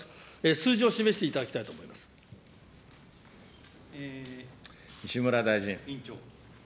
数字を示していただきたいと思い西村大臣。